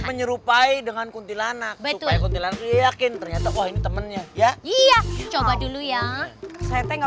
menyerupai dengan kuntilanak betul betul yang terlihat temennya ya iya coba dulu ya saya